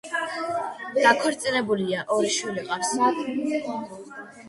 დაქორწინებულია, ორი შვილი ჰყავს.